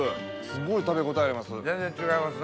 すごい食べ応えあります。